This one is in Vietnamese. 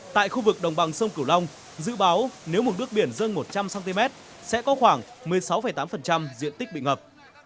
tại khu vực đồng bằng sông cửu long dự báo nếu mực nước biển dân một trăm linh cm sẽ có khoảng một mươi sáu tám diện tích bị ngập